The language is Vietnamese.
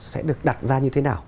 sẽ được đặt ra như thế nào